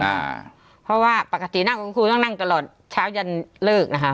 อ่าเพราะว่าปกตินั่งคุณครูต้องนั่งตลอดเช้ายันเลิกนะคะ